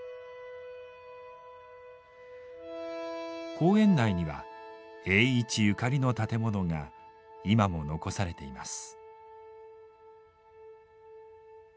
公園内には栄一ゆかりの建物が今も残されています。